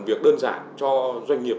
việc đơn giản cho doanh nghiệp